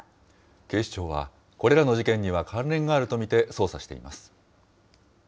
警視庁は、これらの事件には関連があると見て捜査しています。